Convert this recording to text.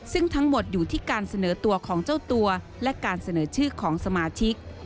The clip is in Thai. ซึ่งทั้งหมดอยู่ที่การเสนอตัวของเจ้าตัวและการเสนอชื่อของสมาชิก